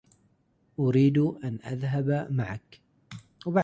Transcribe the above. أريد أن أذهب معك.